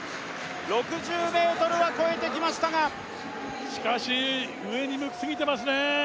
６０ｍは越えてきましたがしかし上に向きすぎてますね